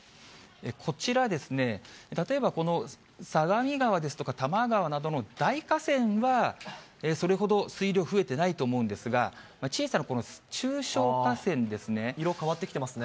こちらですね、例えばこの相模川ですとか、多摩川などの大河川はそれほど水量増えてないと思うんですが、色変わってきてますね。